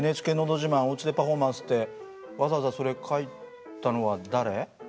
「ＮＨＫのど自慢おうちでパフォーマンス」ってわざわざそれ書いたのは誰？